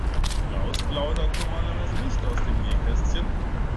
Klaus plaudert normalerweise nicht aus dem Nähkästchen.